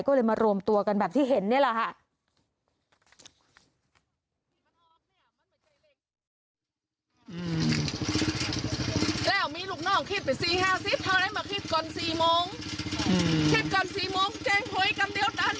ก็เลยมารวมตัวกันแบบที่เห็นนี่แหละค่ะ